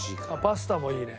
パスタもいいね。